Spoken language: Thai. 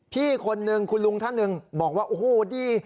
พี่คนนึงคุณลุงท่านหนึ่งบอกว่าโอ้โหดี